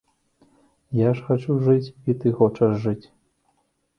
Я ж хачу жыць, і ты хочаш жыць.